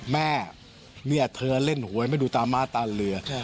แม่เนี่ยเธอเล่นหวยไม่ดูตาม้าตาเรือ